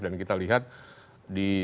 dan kita lihat di twitter itu